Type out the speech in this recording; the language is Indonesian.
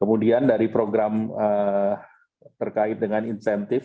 kemudian dari program terkait dengan insentif